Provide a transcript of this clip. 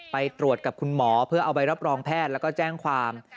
ไปตรวจกับคุณหมอเพื่อเอาใบรับรองแพทย์แล้วก็แจ้งความ